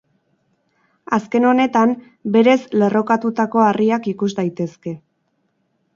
Azken honetan, berez lerrokatutako harriak ikus daitezke.